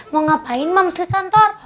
mau ngapain mau ke kantor